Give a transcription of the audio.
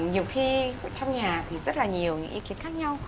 nhiều khi trong nhà thì rất là nhiều những ý kiến khác nhau